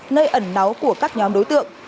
nơi ẩn náu của các nhóm đối tượng